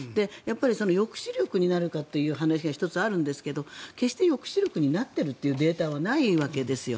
その抑止力になるかという話が１つあるんですが決して、抑止力になっているというデータはないわけですよ。